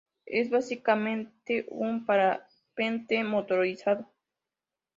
Es, básicamente, un parapente motorizado.